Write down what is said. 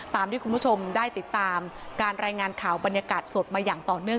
ตามที่คุณผู้ชมได้ติดตามการรายงานข่าวบรรยากาศสดมาอย่างต่อเนื่อง